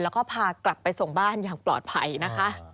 แล้วก็พากลับไปส่งบ้านอย่างปลอดภัยนะคะ